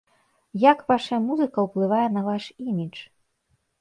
Як вашая музыка ўплывае на ваш імідж?